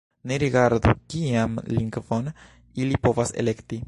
Ni rigardu, kian lingvon ili povas elekti.